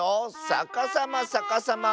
さかさまさかさま！